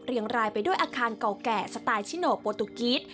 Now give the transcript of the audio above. รายไปด้วยอาคารเก่าแก่สไตล์ชิโนโปรตุกีต